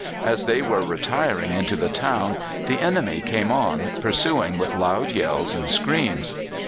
As they were retiring into the town the enemy came on, pursuing with loud yells and screams.